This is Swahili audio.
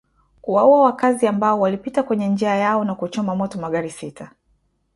kuwaua wakaazi ambao walipita kwenye njia yao na kuchoma moto magari sita